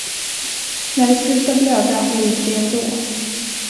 När vi slutar blöda lider vi ändå.